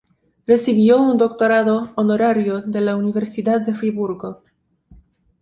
Recibió un doctorado honorario de la Universidad de Friburgo.